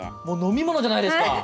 もう飲み物じゃないですか。